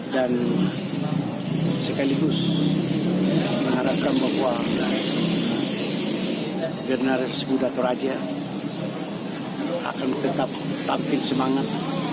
dan sekaligus mengharapkan bahwa generasi muda toraja akan tetap tampil semangat